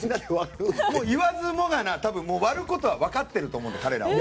言わずもがな割ることは分かっていると思うので。